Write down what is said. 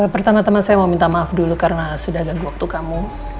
pertama teman saya mau minta maaf dulu karena sudah agak waktu kamu